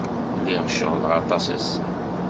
Lliɣ ceɣleɣ aṭas ass-a.